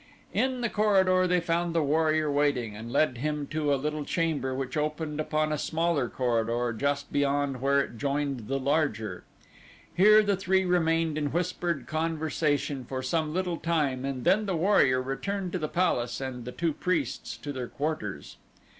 In the corridor they found the warrior waiting, and led him to a little chamber which opened upon a smaller corridor just beyond where it joined the larger. Here the three remained in whispered conversation for some little time and then the warrior returned to the palace and the two priests to their quarters.